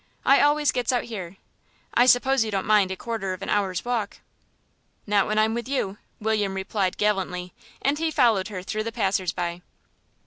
I always gets out here. I suppose you don't mind a quarter of an hour's walk." "Not when I'm with you," William replied gallantly, and he followed her through the passers by.